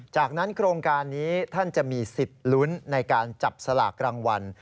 จากนั้นโครงการนี้ท่านจะมีสิทธิ์ลุ้นในการจับสลากรางวัล